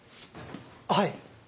はい。